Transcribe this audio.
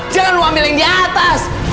jangan ambil yang di atas